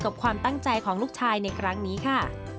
ความตั้งใจของลูกชายในครั้งนี้ค่ะ